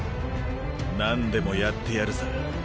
なんでもやってやるさ。